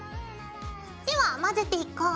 では混ぜていこう。